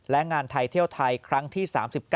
และงานไทยเที่ยวไทยครั้งที่๓๙